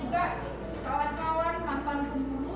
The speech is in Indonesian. dan harapannya juga kawan kawan mantan guru